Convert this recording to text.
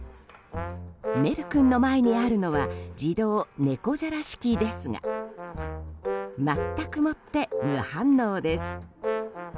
メル君の前にあるのは自動猫じゃらし機ですが全くもって無反応です。